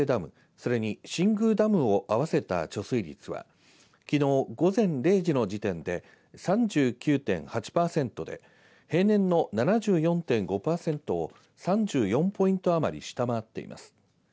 それに新宮ダムを合わせた貯水率はきのう午前０時の時点で３９．８パーセントで平年の７４．５パーセントを３４ポイント余り下回っています。